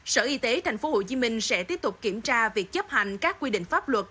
sở y tế tp hcm sẽ tiếp tục kiểm tra việc chấp hành các quy định pháp luật